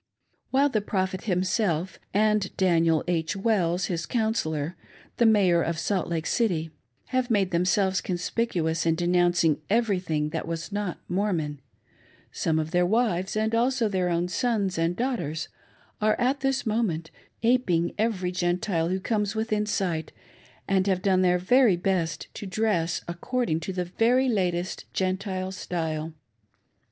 While the Prophet himself, and Daniel H. Wells, hia coun sellor, the Mayor of Salt Lake City, have made themselves conspicuous in denouncing everything that was not Mormon, some of their wives, and also their own sons and daughters, are at this moment aping every Gentile who comes within sight, and have done their very best to dress according to the very latest Gentile style.